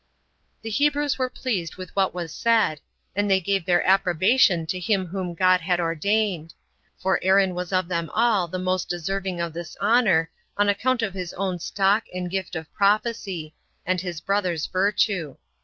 The Hebrews were pleased with what was said, and they gave their approbation to him whom God had ordained; for Aaron was of them all the most deserving of this honor, on account of his own stock and gift of prophecy, and his brother's virtue.